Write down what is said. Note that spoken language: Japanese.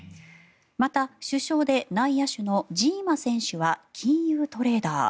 また、主将で内野手のジーマ選手は金融トレーダー。